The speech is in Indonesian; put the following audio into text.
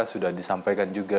sudah disampaikan juga